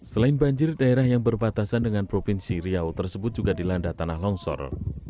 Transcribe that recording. selain banjir daerah yang berbatasan dengan provinsi riau tersebut juga dilanda tanah longsor